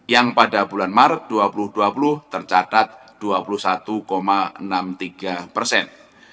yang pada bulan maret dua ribu dua puluh tercatat dua puluh satu enam puluh tiga persen